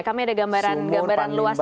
kami ada gambaran luasnya